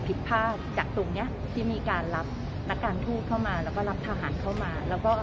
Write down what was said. ผิดภาพจากตรงเนี้ยที่มีการรับนักการทูตเข้ามาแล้วก็รับทหารเข้ามาแล้วก็